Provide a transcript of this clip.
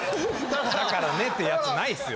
「だからね」ってやつないっすよ！